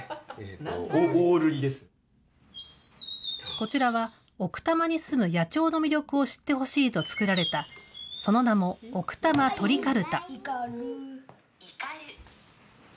こちらは、奥多摩に住む野鳥の魅力を知ってほしいと作られた、その名もオクタマ・トリ・カルタ。